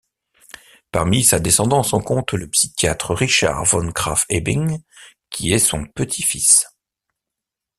Parmi sa descendance, on compte le psychiatre Richard von Krafft-Ebing qui est son petit-fils.